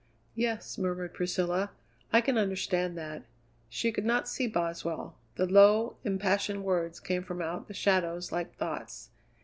"Yes," murmured Priscilla, "I can understand that." She could not see Boswell; the low, impassioned words came from out the shadows like thoughts.